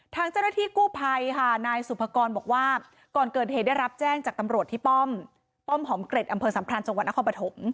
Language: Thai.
ทางเจ้าหน้าที่กู้ภัยค่ะนายสุภกรบอกว่าก่อนเกิดเหตุได้รับแจ้งจากตำรวจที่ป้อมป้อมหอมเกร็ดอำเภอสัมพันธ์จังหวัดนครปฐม